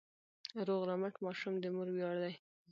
روغ رمټ ماشوم د مور ویاړ دی.